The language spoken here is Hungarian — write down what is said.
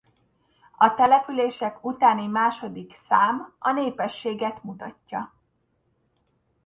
A települések utáni második szám a népességet mutatja.